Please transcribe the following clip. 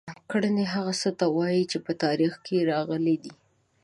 کړنې هغه څه ته ورته دي چې په تاریخ کې راغلي دي.